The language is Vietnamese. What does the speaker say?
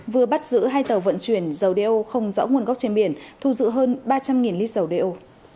vừa bắt giữ hai tàu vận chuyển dầu đeo không rõ nguồn gốc trên biển thu giữ hơn ba trăm linh lít dầu đeo